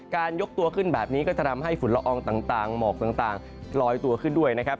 ยกตัวขึ้นแบบนี้ก็จะทำให้ฝุ่นละอองต่างหมอกต่างลอยตัวขึ้นด้วยนะครับ